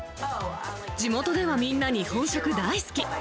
地元ではみんな日本食大好き。